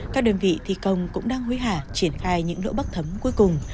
các đơn vị thi công cũng đang hối hả triển khai những lỗ bắc thấm cuối cùng